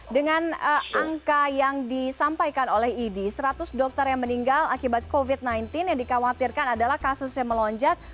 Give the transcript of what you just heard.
dengan angka yang disampaikan oleh idi seratus dokter yang meninggal akibat covid sembilan belas yang dikhawatirkan adalah kasus yang melonjak